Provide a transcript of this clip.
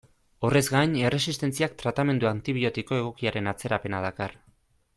Horrez gain, erresistentziak tratamendu antibiotiko egokiaren atzerapena dakar.